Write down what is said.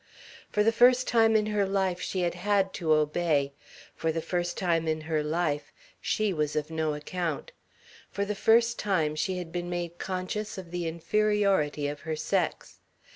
For the first time in her life she had had to obey. For the first time in her life she was of no account. For the first time she had been made conscious of the inferiority of her sex.